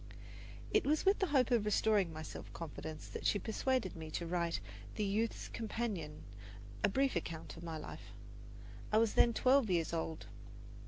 It was with the hope of restoring my self confidence that she persuaded me to write for the Youth's Companion a brief account of my life. I was then twelve years old.